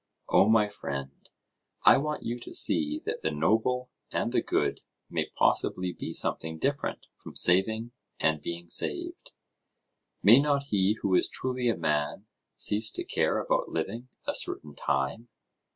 O my friend! I want you to see that the noble and the good may possibly be something different from saving and being saved:—May not he who is truly a man cease to care about living a certain time?